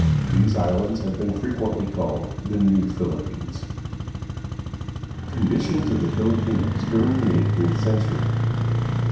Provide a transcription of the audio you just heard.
These islands have been frequently called the "New Philippines." Conditions of the Filipinos during the Eighteenth Cen tury.